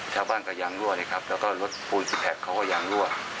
ชาวบ้านก็ยางรั่วเลยครับแล้วก็รถพูลสิทธิแพทย์เขาก็ยางรั่ว